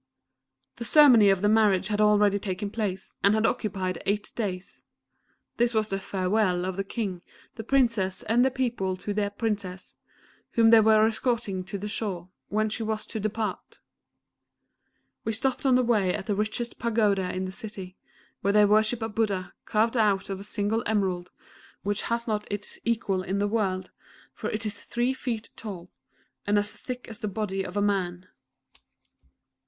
The ceremony of the marriage had already taken place, and had occupied eight days. This was the "farewell" of the King, the Princes and the people to their Princess, whom they were escorting to the shore, whence she was to depart. We stopped on the way at the richest Pagoda in the city, where they worship a Buddha carved out of a single emerald, which has not its equal in the world, for it is three feet tall, and as thick as the body of a man.